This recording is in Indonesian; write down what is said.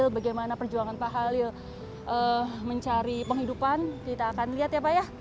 bagaimana perjuangan pak khalil mencari penghidupan kita akan lihat ya pak ya